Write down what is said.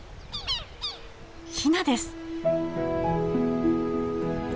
ヒナです！